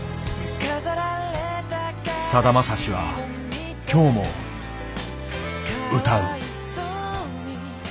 さだまさしは今日も歌う。